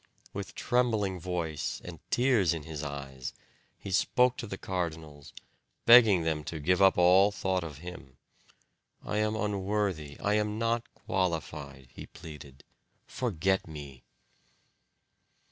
With trembling voice and tears in his eyes, he spoke to the Cardinals, begging them to give up all thought of him. "I am unworthy, I am not qualified," he pleaded, "forget me."